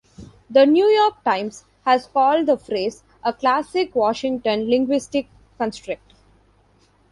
"The New York Times" has called the phrase a "classic Washington linguistic construct.